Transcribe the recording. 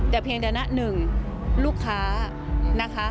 แต่เพียงแต่นะหนึ่งลูกค้านะคะ